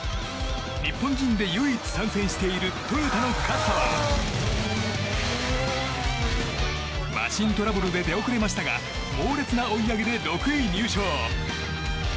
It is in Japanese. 日本人で唯一参戦しているトヨタの勝田はマシントラブルで出遅れましたが猛烈な追い上げで６位入賞。